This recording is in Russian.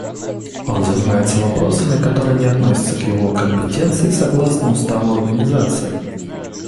Он занимается вопросами, которые не относятся к его компетенции согласно Уставу Организации.